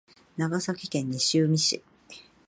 長崎県西海市